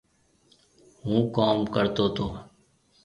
هُون ڪوم ڪرتو تو